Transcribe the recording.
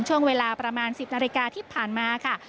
ช่วงเวลาประมาณ๑๐นาฬิกาที่ผ่านมาค่ะ